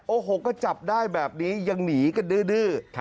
โอ้โหก็จับได้แบบนี้ยังหนีกันดื้อ